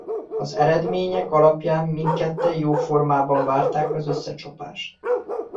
Az eredmények alapján mindketten jó formában várták az összecsapást.